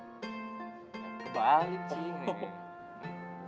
kebalik cik nih